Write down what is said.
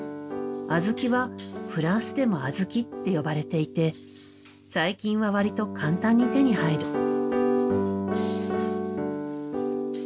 小豆はフランスでも「アズキ」って呼ばれていて最近は割と簡単に手に入る。